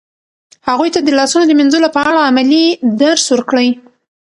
هغوی ته د لاسونو د مینځلو په اړه عملي درس ورکړئ.